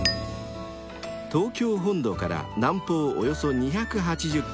［東京本土から南方およそ２８０ｋｍ］